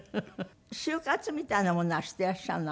終活みたいなものはしてらっしゃるの？